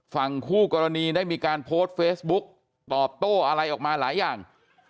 ฝั่งคู่กรณีได้มีการโพสต์เฟซบุ๊กตอบโต้อะไรออกมาหลายอย่าง